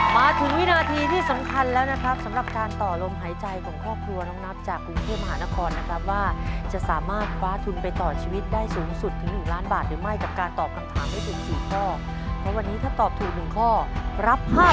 มาถึงวินาทีที่สำคัญแล้วนะครับสำหรับการต่อลมหายใจของครอบครัวน้องนับจากกรุงเทพมหานครนะครับว่าจะสามารถคว้าทุนไปต่อชีวิตได้สูงสุดถึงหนึ่งล้านบาทหรือไม่กับการตอบคำถามได้ถึงสี่ข้อเพราะวันนี้ถ้าตอบถูกหนึ่งข้อรับ๕๐๐